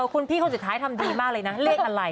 คุณพี่คนสุดท้ายทำดีมากเลยนะเลขอะไร